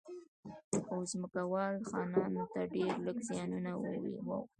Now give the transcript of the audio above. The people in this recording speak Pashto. خو ځمکوالو خانانو ته ډېر لږ زیانونه واوښتل.